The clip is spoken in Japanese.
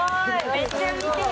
めっちゃ見てる。